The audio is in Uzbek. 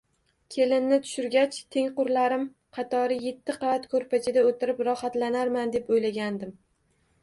Kelinni tushirgach tengqurlarim qatori etti qavat ko`rpachada o`tirib rohatlanarman, deb o`ylagandim